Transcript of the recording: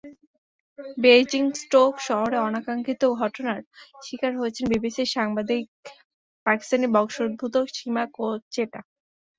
Basingstoke শহরে অনাকাঙ্ক্ষিত ঘটনার শিকার হয়েছেন বিবিসির সাংবাদিক পাকিস্তানি বংশোদ্ভূত সিমা কোটেচা।